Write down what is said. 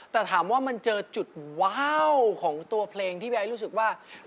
แต่ถามว่ามันเจอจุดว้าวของตัวเพลงที่พี่ไอ้รู้สึกว่า